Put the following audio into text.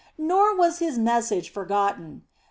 Nor was his message forgotten.